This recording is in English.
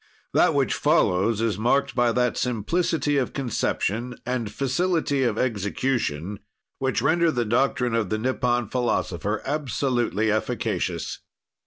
That which follows is marked by that simplicity of conception and facility of execution which render the doctrine of the Nippon philosopher absolutely efficacious.